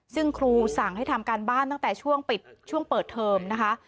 ซึ่งครูสั่งให้ทำการบ้านตั้งแต่ช่วงปิดช่วงเปิดเทอมนะคะ